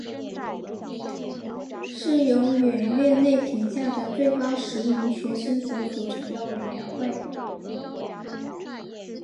是由远月内评价最高的十名学生所组成的委员会。